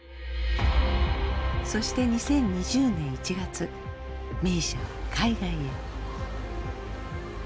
そして２０２０年１月ＭＩＳＩＡは海外へ。